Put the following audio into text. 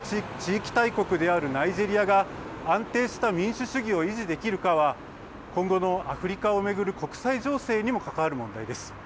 西アフリカの地域大国であるナイジェリアが安定した民主主義を維持できるかは今後のアフリカを巡る国際情勢にも関わる問題です。